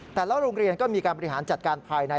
โรงเรียนก็มีการบริหารจัดการภายใน